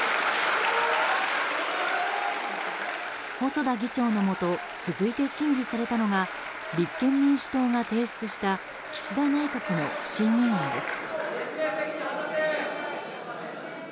細田議長のもと続いて審議されたのが立憲民主党が提出した岸田内閣の不信任案です。